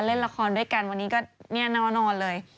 เล่นละครด้วยกันวันนี้ก็นั่วเลย